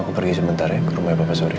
aku pergi sebentar ya ke rumahnya bapak surya